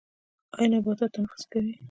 ایا نباتات تنفس کوي؟